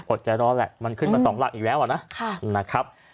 อดใจรอแหละมันขึ้นมา๒หลักอีกแล้วอะนะ